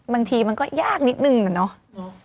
บางทีมันก็ยากนิดนึงอะเนาะ